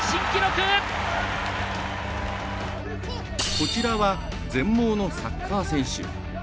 こちらは、全盲のサッカー選手。